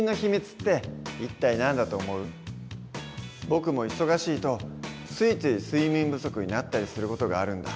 僕も忙しいとついつい睡眠不足になったりする事があるんだ。